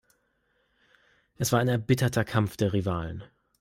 Es war ein erbitterter Kampf der Rivalen.